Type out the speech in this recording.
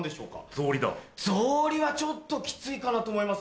草履はちょっとキツいかなと思いますので。